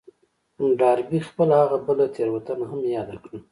ډاربي خپله هغه بله تېروتنه هم ياده کړه.